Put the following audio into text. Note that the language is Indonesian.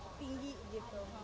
kayak tinggi gitu